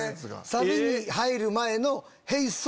サビに入る前の。